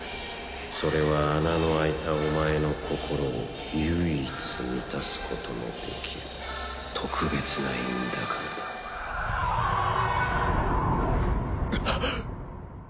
それは穴の開いたお前の心を唯一満たすことのできる特別な印だからだハァハァハァ。